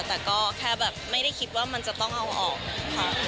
แต่ก็แค่แบบไม่ได้คิดว่ามันจะต้องเอาออกค่ะ